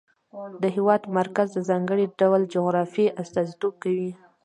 د هېواد مرکز د ځانګړي ډول جغرافیه استازیتوب کوي.